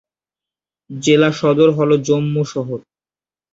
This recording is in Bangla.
জেলা সদর হল জম্মু শহর।